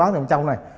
đồng chí châu này